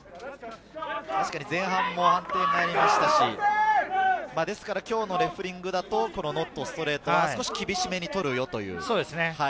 確かに前半も判定がありましたし、ですから今日のレフェリングだと、このノットストレートを少し厳しめに取るよという。